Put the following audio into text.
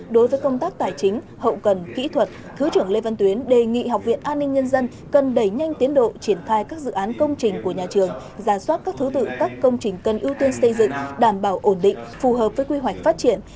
đối với công tác tài chính hậu cần kỹ thuật thứ trưởng lê văn tuyến đề nghị học viện an ninh nhân dân cần đẩy nhanh tiến độ triển khai các dự án công trình của nhà trường giả soát các thứ tự các công trình cần ưu tiên xây dựng đảm bảo ổn định phù hợp với quy hoạch phát triển